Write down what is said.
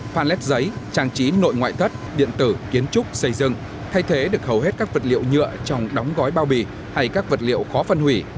khoa lép giấy trang trí nội ngoại thất điện tử kiến trúc xây dựng thay thế được hầu hết các vật liệu nhựa trong đóng gói bao bì hay các vật liệu khó phân hủy